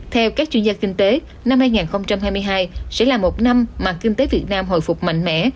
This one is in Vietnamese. theo các chuyên gia kinh tế năm hai nghìn hai mươi hai sẽ là một năm mà kinh tế việt nam hồi phục mạnh mẽ